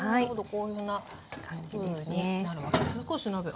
こんなふうになるわけで少し鍋。